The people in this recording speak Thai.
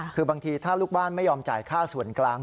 คือบางทีถ้าลูกบ้านไม่ยอมจ่ายค่าส่วนกลาง